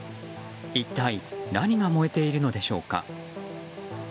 一体何が燃えているのでしょうか。